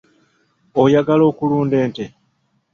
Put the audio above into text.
Oyagala okulunda ente?